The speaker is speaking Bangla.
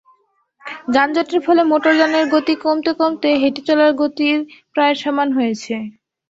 যানজটের ফলে মোটরযানের গতি কমতে কমতে হেঁটে চলার গতির প্রায় সমান হয়েছে।